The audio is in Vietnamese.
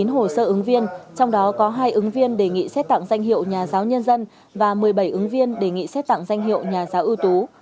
một mươi hồ sơ ứng viên trong đó có hai ứng viên đề nghị xét tặng danh hiệu nhà giáo nhân dân và một mươi bảy ứng viên đề nghị xét tặng danh hiệu nhà giáo ưu tú